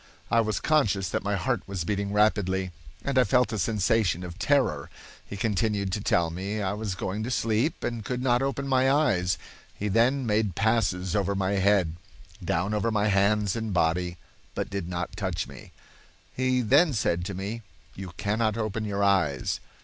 I was conscious that my heart was beating rapidly, and I felt a sensation of terror. He continued to tell me I was going to sleep, and could not open my eyes. He then made passes over my head, down over my hands and body, but did not touch me. He then said to me, 'You cannot open your eyes.